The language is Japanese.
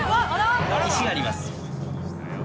石があります。